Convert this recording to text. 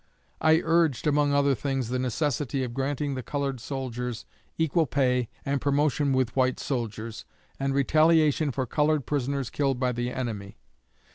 I urged, among other things, the necessity of granting the colored soldiers equal pay and promotion with white soldiers, and retaliation for colored prisoners killed by the enemy.